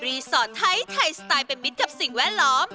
สอดไทยไทยสไตล์เป็นมิตรกับสิ่งแวดล้อม